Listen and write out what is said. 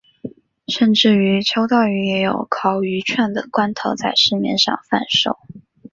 甚至于秋刀鱼也有烤鱼串的罐头在市面上贩售。